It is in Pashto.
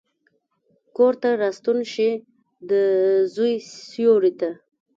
کورته راستون شي، دزوی سیورې ته،